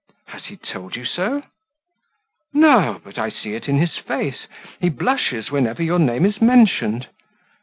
"Has he told you so?" "No but I see it in his face: he blushes whenever your name is mentioned."